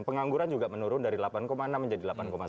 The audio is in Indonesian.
pengangguran juga menurun dari delapan enam menjadi delapan satu